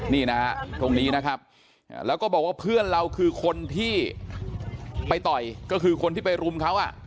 นี่นะตรงนี้นะครับแล้วก็บอกว่าเพื่อนเราคือคนที่ไปต่อยก็คือคนที่ไปรุมเขาอ่ะ